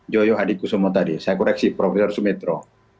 joyo hadipusumo tadi saya koreksi prof sumitro